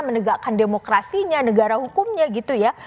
menegakkan demokrasinya negara hukumnya gitu ya